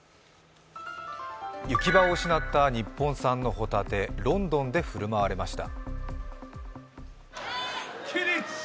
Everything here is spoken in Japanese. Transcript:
行き場を失った日本産の帆立て、ロンドンで振る舞われました。